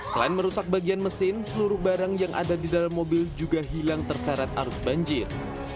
selain merusak bagian mesin seluruh barang yang ada di dalam mobil juga hilang terseret arus banjir